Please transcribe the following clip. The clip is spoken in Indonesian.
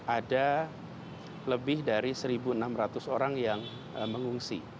ada lebih dari satu enam ratus orang yang mengungsi